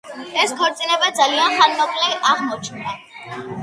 ეს ქორწინება ძალიან ხანმოკლე აღმოჩნდა.